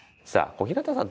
小日向さん